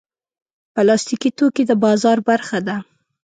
پلاستيکي توکي د بازار برخه ده.